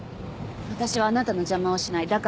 私はあなたの邪魔をしない。